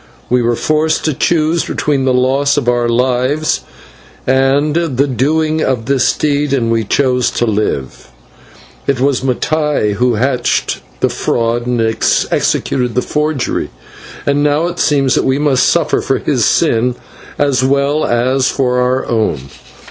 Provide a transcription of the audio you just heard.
"We were forced to choose between the loss of our lives and the doing of this deed, and we chose to live. It was Mattai who hatched the fraud and executed the forgery, and now it seems that we must suffer for his sin as well as for our own.